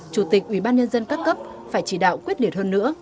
chủ tịch ủy ban nhân dân các cấp phải chỉ đạo quyết liệt hơn nữa